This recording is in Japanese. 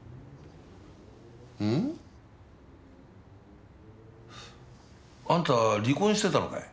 ん？あんた離婚してたのかい。